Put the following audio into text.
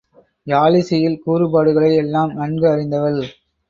யாழிசையில் கூறுபாடுகளை எல்லாம் நன்கு அறிந்தவள்.